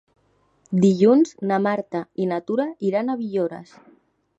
Dilluns na Marta i na Tura iran a Villores.